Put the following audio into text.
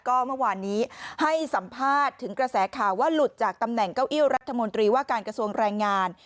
ก็เมื่อวานนี้ให้สัมภาษณ์ถึงกระแสข่าวว่าหลุดจากตำแหน่งเก้าอี้รัฐมนตรีว่าการกระทรวงแรงงาน